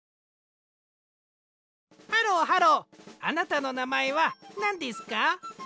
ハローハローあなたのなまえはなんですか？